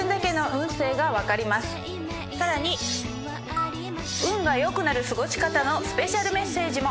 さらに運が良くなる過ごし方のスペシャルメッセージも。